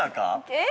◆えっ？